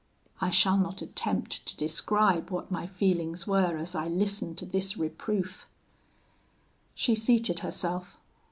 I shall not attempt to describe what my feelings were as I listened to this reproof. "She seated herself.